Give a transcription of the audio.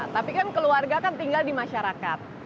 tapi kan keluarga kan tinggal di masyarakat